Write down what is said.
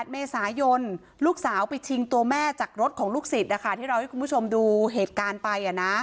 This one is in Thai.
๘เมษายนลูกสาวไปชิงตัวแม่จากรถของลูกศิษย์ที่เราให้คุณผู้ชมดูเหตุการณ์ไป